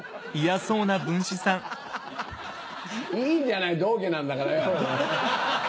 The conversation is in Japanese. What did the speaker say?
いいじゃない同期なんだからよ！